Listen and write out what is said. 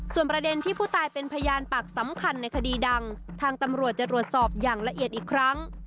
ส่วนประเด็นที่ผู้ตายเป็นพยานปากสำคัญในคดีดังทางตำรวจจะตรวจสอบอย่างละเอียดอีกครั้ง